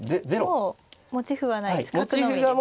もう持ち歩はないです。